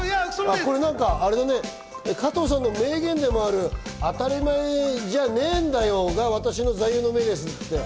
加藤さんの名言でもある、当たり前じゃねえんだよが私の座右の銘ですって。